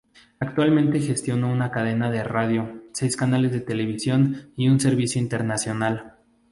Actualmente gestiona una cadena de radio, seis canales de televisión y un servicio internacional.